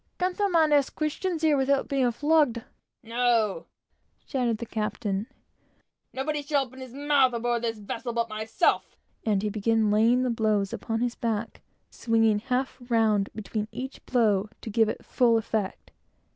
"Can't a man ask a question here without being flogged?" "No," shouted the captain; "nobody shall open his mouth aboard this vessel, but myself;" and began laying the blows upon his back, swinging half round between each blow, to give it full effect.